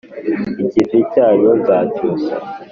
Ikivi cyanyu nzacyusa